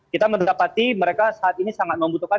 kita mendapati mereka saat ini sangat membutuhkan